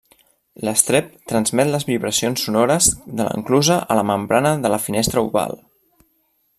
L'estrep transmet les vibracions sonores de l'enclusa a la membrana de la finestra oval.